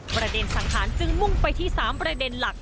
ประเด็นสังหารจึงมุ่งไปที่๓ประเด็นหลัก